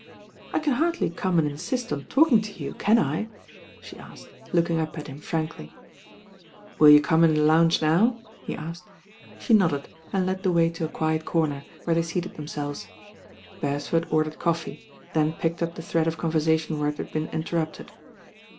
"I can hardly come and insist on talking to you, can I?" she asked, looking up at him frankly. *Will you come in the lounge now?" he asked. She nodded and led the way to a quiet comer, where they seated themselves. Beresford ordered coffee, then picked up the thread of conversation where it had been interrupted.